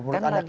karena lagi di